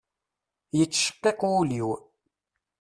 Yettceqqiq wul-iw.